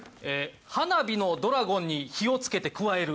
「花火のドラゴンに火をつけてくわえる」